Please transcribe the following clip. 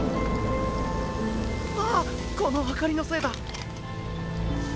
ああこの明かりのせいだ。